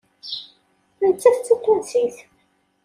Nettat d Tatunsit.